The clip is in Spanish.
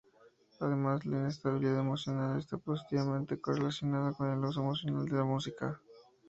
Además, la inestabilidad emocional está positivamente correlacionada con el uso emocional de música.